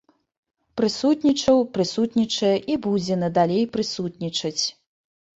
Прысутнічаў, прысутнічае і будзе і надалей прысутнічаць.